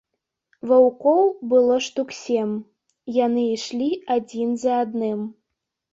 Ваўкоў было штук сем, яны ішлі адзін за адным.